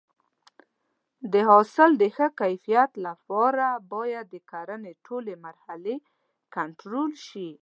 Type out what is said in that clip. د حاصل د ښه کیفیت لپاره باید د کرنې ټولې مرحلې کنټرول شي.